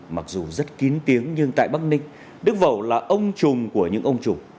mặc dù rất kín tiếng nhưng tại bắc ninh đức vẩu là ông trùng của những ông trùng